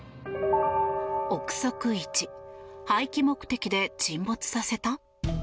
臆測１廃棄目的で沈没させた？